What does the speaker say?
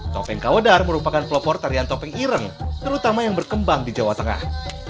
topeng kawedar merupakan pelopor tarian topeng ireng terutama yang berkembang di jawa tengah